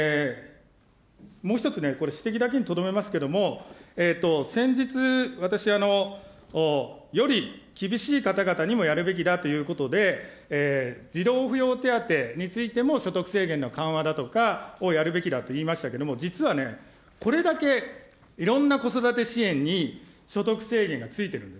もう一つね、これ指摘だけにとどめますけれども、先日、私はより厳しい方々にもやるべきだということで、児童扶養手当についても所得制限の緩和だとかをやるべきだと言いましたけれども、実はね、これだけ、いろんな子育て支援に所得制限がついてるんです。